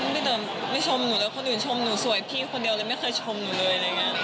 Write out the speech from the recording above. พี่เต๋อร์ไม่ชมหนูเลยคนอื่นชมหนูสวยพี่คนเดียวเลยไม่เคยชมหนูเลย